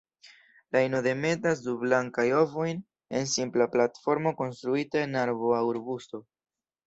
La ino demetas du blankajn ovojn en simpla platformo konstruita en arbo aŭ arbusto.